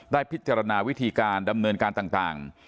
พิจารณาวิธีการดำเนินการต่าง